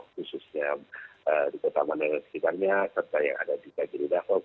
khususnya di kota manila sekitarnya